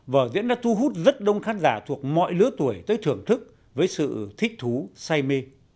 vở diễn đã thu hút rất đông khán giả thuộc mọi lứa tuổi tới thưởng thức với sự thích thú say mê